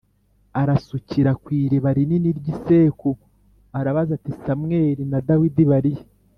arasukira ku iriba rinini ry’i Seku arabaza ati “Samweli na Dawidi bari he?”